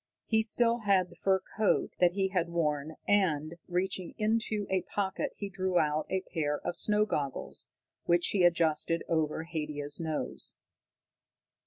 He still had the fur coat that he had worn, and, reaching into a pocket he drew out a pair of snow goggles, which he adjusted over Haidia's nose.